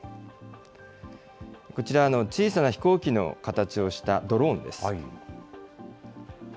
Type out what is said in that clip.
こちら、小さな飛行機の形をしたドローンです。